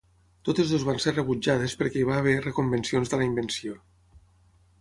Totes dues van ser rebutjades perquè hi va haver reconvencions de la invenció.